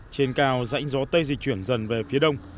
trên cao dãnh gió tây di chuyển dần về phía đông